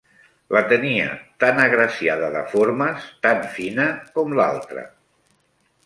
La tenia tan agraciada de formes, tan fina, com l'altra.